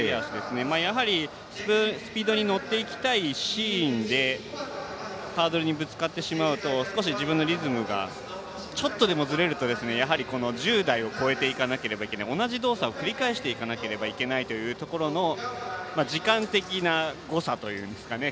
やはり、スピードに乗っていきたいシーンでハードルにぶつかってしまうと少し自分のリズムがちょっとでもずれるとこの１０台を越えていかなければいけない同じ動作を繰り返さなければいけないというところの時間的な誤差というんですかね。